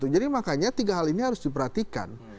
jadi makanya tiga hal ini harus diperhatikan